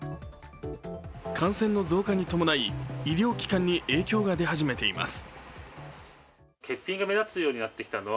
感染の増加に伴い医療機関に影響が出始めています。